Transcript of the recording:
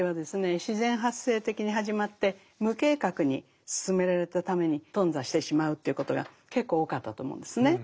自然発生的に始まって無計画に進められたために頓挫してしまうということが結構多かったと思うんですね。